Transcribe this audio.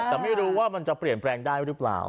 แต่ไม่รู้ว่ามันจะเปลี่ยนแปลงได้หรือเปล่า